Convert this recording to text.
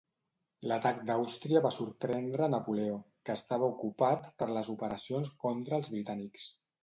L'atac d'Àustria va sorprendre Napoleó, que estava ocupat per les operacions contra els britànics.